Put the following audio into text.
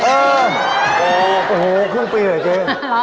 โอ้โหครึ่งปีเหรอเจ๊